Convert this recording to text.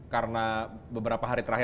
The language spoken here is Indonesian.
karena beberapa hari terakhir